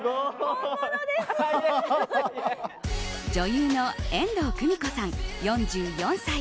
女優の遠藤久美子さん、４４歳。